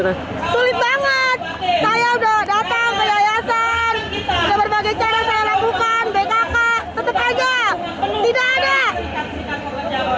sulit banget saya udah datang ke yayasan ada berbagai cara saya lakukan bkk tetep aja